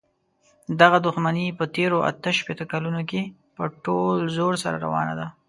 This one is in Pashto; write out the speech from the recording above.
دغه دښمني په تېرو اته شپېتو کالونو کې په ټول زور سره روانه ده.